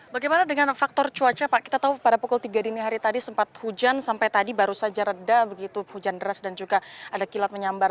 bagaimana dengan faktor cuaca pak kita tahu pada pukul tiga dini hari tadi sempat hujan sampai tadi baru saja reda begitu hujan deras dan juga ada kilat menyambar